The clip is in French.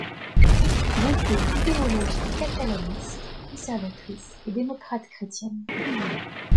Il était d'idéologie catalaniste, conservatrice et démocrate chrétienne.